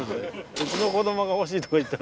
うちの子供が「欲しい」とか言ったら。